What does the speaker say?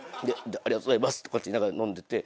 「ありがとうございます」とかって言いながら飲んでて。